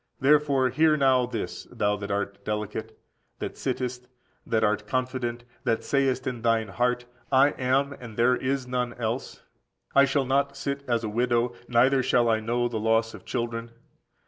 Therefore hear now this, thou that art delicate; that sittest, that art confident, that sayest in thine heart, I am, and there is none else; I shall not sit as a widow, neither shall I know the loss of children.